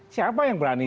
siapa yang berani